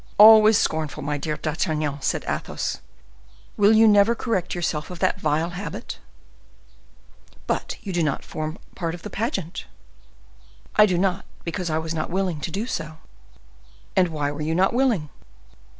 "Always scornful, my dear D'Artagnan!" said Athos. "Will you never correct yourself of that vile habit?" "But you do not form part of the pageant?" "I do not, because I was not willing to do so." "And why were you not willing?"